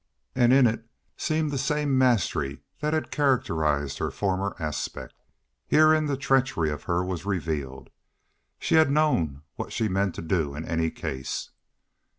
And in it seemed the same mastery that had characterized her former aspect. Herein the treachery of her was revealed. She had known what she meant to do in any case.